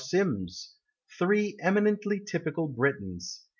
Sims Three eminently typical Britons.